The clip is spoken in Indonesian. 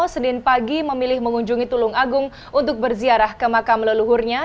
senin pagi memilih mengunjungi tulung agung untuk berziarah ke makam leluhurnya